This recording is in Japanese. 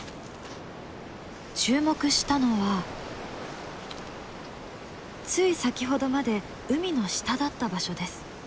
注目したのはつい先ほどまで海の下だった場所です。